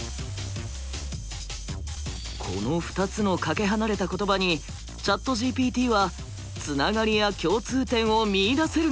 この２つのかけ離れた言葉にＣｈａｔＧＰＴはつながりや共通点を見いだせるのか？